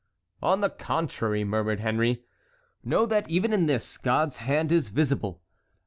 "On the contrary," murmured Henry, "know that even in this, God's hand is visible.